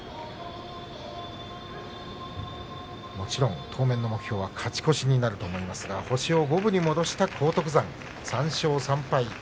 もちろん当面の目標は勝ち越しになると思いますが星を五分に戻した荒篤山３勝３敗。